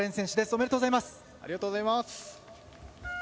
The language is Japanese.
ありがとうございます。